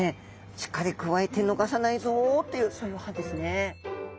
「しっかりくわえて逃さないぞ」というそういう歯ですね。